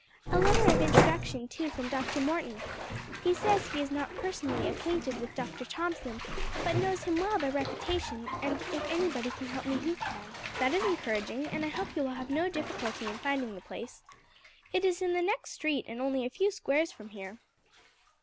A letter of introduction too, from Dr. Morton. He says he is not personally acquainted with Dr. Thomson, but knows him well by reputation, and if anybody can help me he can." "That is encouraging, and I hope you will have no difficulty in finding the place. It is in the next street and only a few squares from here."